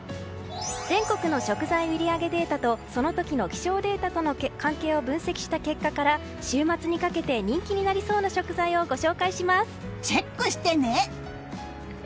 全国の食材売り上げデータとその時の気象データとの関係を分析した結果から週末にかけて人気になりそうな食材をチェックしてね！